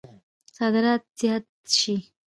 صادرات زیات شي.